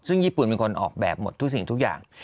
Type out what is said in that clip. ซึ่งญี่ปุ่นเป็นคนออกแบบหมดทุกสิ่งทุกอย่าง